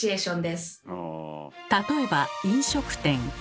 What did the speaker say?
例えば飲食店。